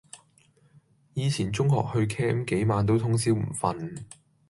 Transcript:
以前中學去 camp 幾晚都通宵唔瞓